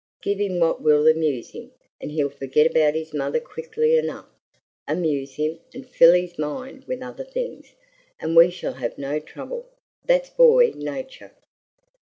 "Give him what will amuse him, and he'll forget about his mother quickly enough. Amuse him, and fill his mind with other things, and we shall have no trouble. That's boy nature."